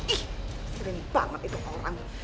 ih sering banget itu orang